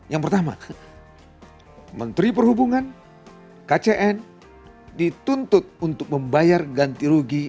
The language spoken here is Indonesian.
yang pertama menteri perhubungan kcn dituntut untuk membayar ganti rugi